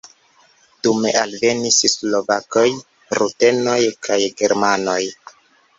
Dume alvenis slovakoj, rutenoj kaj germanoj.